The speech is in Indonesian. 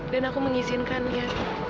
dan aku mengizinkannya